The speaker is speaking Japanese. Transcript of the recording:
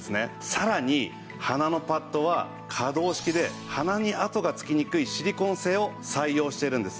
さらに鼻のパッドは可動式で鼻に痕がつきにくいシリコン製を採用しているんです。